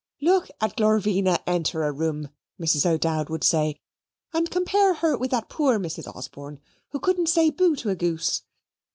"Look at Glorvina enter a room," Mrs. O'Dowd would say, "and compare her with that poor Mrs. Osborne, who couldn't say boo to a goose.